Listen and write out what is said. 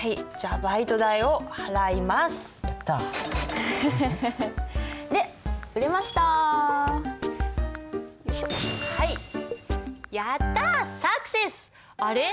あれ？